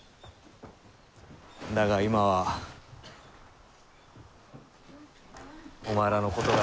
だが今はお前らのことが。